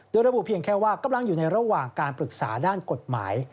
โดยระบุเพียงแค่ว่ากำลังอยู่ในระหว่างการปรึกษาด้านกฎหมาย